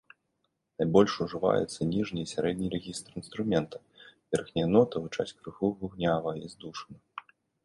Найбольш ужываюцца ніжні і сярэдні рэгістр інструмента, верхнія ноты гучаць крыху гугнява і здушана.